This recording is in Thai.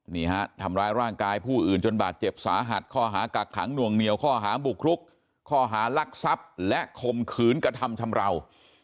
นี่ฮะทำร้ายร่างกายผู้อื่นจนบาดเจ็บสาหัสข้อหากักขังหน่วงเหนียวข้อหาบุกรุกข้อหารักทรัพย์และข่มขืนกระทำชำราว